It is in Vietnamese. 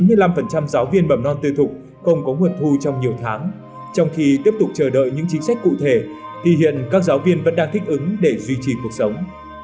giáo viên mầm non tư thuộc không có nguồn thu trong nhiều tháng trong khi tiếp tục chờ đợi những chính sách cụ thể thì hiện các giáo viên vẫn đang thích ứng để duy trì cuộc sống